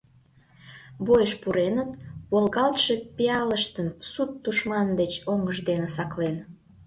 Бойыш пуреныт, волгалтше пиалыштым Сут тушман деч оҥышт дене саклен.